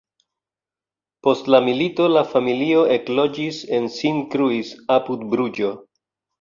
Post la milito la familio ekloĝis en Sint-Kruis, apud Bruĝo.